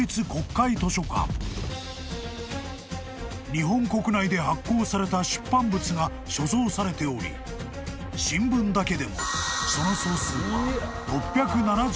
［日本国内で発行された出版物が所蔵されており新聞だけでもその総数は６７４万点以上］